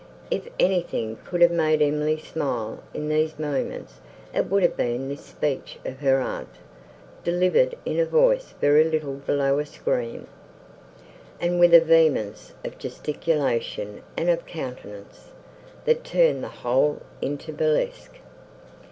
If anything could have made Emily smile in these moments, it would have been this speech of her aunt, delivered in a voice very little below a scream, and with a vehemence of gesticulation and of countenance, that turned the whole into burlesque.